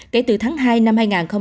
kể từ tháng hai năm hai nghìn hai mươi